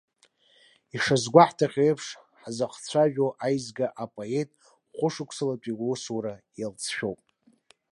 Ишазгәаҳҭахьоу еиԥш, ҳзыхцәажәо аизга апоет хәышықәсатәи иусура иалҵшәоуп.